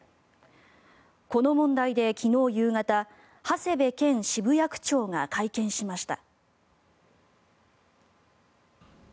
この問題で昨日夕方長谷部健渋谷区長が会見しました。